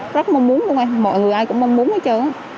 rất mong muốn luôn em mọi người ai cũng mong muốn hết trơn